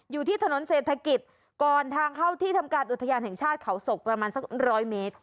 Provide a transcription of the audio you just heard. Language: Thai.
อยู่ที่ถนนเศรษฐกิจก่อนทางเข้าที่ทำการอุทยานแห่งชาติเขาศกประมาณสักร้อยเมตร